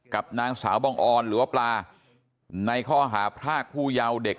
กับนางสาวบังออนหรือว่าปลาในข้อหาพรากผู้เยาว์เด็ก